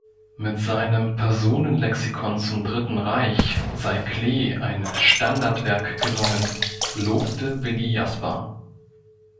Mit seinem "Personenlexikon zum Dritten Reich" sei Klee „ein Standardwerk gelungen“, lobte Willi Jasper.